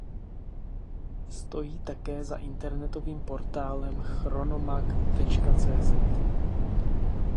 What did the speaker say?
Stojí také za internetovým portálem Chronomag.cz.